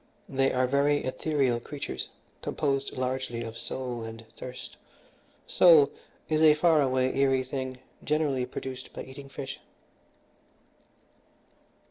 They are very ethereal creatures, composed largely of soul and thirst. Soul is a far away, eerie thing, generally produced by eating fish."